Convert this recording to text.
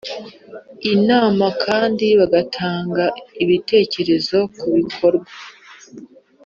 Inama kandi bagatanga ibitekerezo ku bikorwa